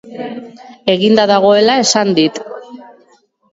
Eginda dagoela esan dit.